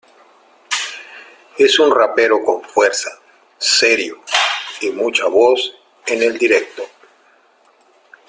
Es un rapero con fuerza, serio y mucha voz en el directo.